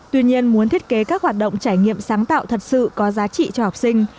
tuy nhiên muốn thiết kế các hoạt động trải nghiệm sáng tạo thật sự có giá trị cho học sinh